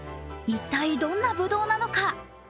一体、どんなぶどうなのか？